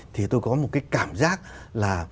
thì tôi có một cái cảm giác là